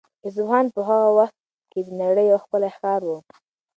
اصفهان په هغه وخت کې د نړۍ یو ښکلی ښار و.